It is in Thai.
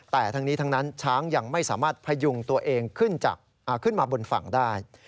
แต่ทั้งนี้ทั้งนั้นช้างยังไม่สามารถพยุงตัวเองขึ้นมาบนฝั่งได้